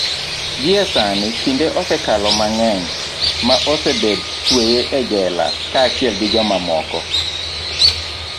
gie sani, kinde osekalo mang'eny ma osebed tweye e jela kaachiel gi jomamoko